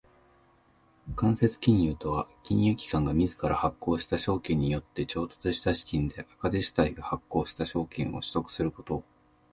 間接金融とは金融機関が自ら発行した証券によって調達した資金で赤字主体が発行した証券を取得すること。